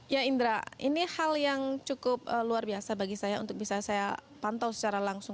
ya indra ini hal yang cukup luar biasa bagi saya untuk bisa saya pantau secara langsung